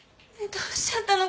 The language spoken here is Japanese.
どうしちゃったの？